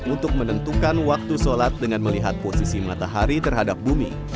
untuk menentukan waktu sholat dengan melihat posisi matahari terhadap bumi